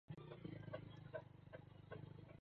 Leo ni siku ya kujivinjari na kufurahia sana.